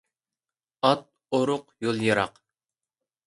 ئات ئورۇق، يول يىراق.